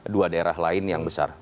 dua daerah lain yang besar